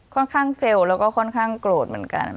ค่อนข้างเฟลล์แล้วก็ค่อนข้างโกรธเหมือนกัน